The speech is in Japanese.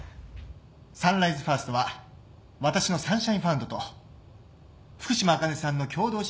サンライズファーストは私のサンシャインファンドと福島あかねさんの共同出資による会社でして。